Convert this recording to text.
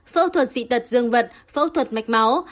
phẫu thuật dị tật dương vật phẫu thuật mạch máu